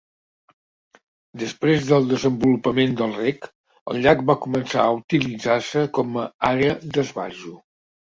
Després del desenvolupament del reg, el llac va començar a utilitzar-se com a àrea d'esbarjo.